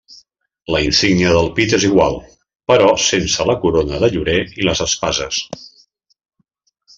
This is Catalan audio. La insígnia del pit és igual, però sense la corona de llorer i les espases.